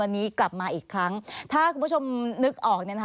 วันนี้กลับมาอีกครั้งถ้าคุณผู้ชมนึกออกเนี่ยนะคะ